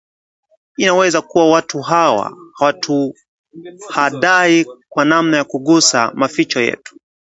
Inaweza kuwa watu hawa hawatuhadai kwa namna ya kugusa maficho yetu